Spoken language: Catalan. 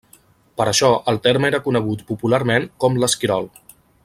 Per això el terme era conegut popularment com l'Esquirol.